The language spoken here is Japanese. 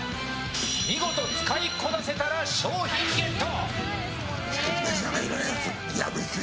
見事使いこなせたら商品ゲット。